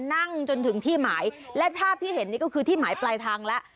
นั่งจนถึงที่หมายและภาพที่เห็นนี่ก็คือที่หมายปลายทางแล้ว